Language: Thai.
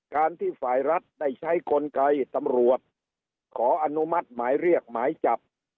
การที่ฝ่ายรัฐได้ใช้กลไกตำรวจขออนุมัติหมายเรียกหมายจับ